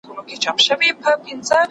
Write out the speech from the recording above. شېرزاد